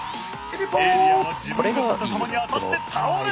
エイリアンは自分が撃った弾に当たって倒れる。